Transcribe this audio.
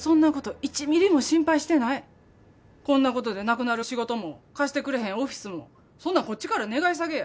こんなことでなくなる仕事も貸してくれへんオフィスもそんなんこっちから願い下げや。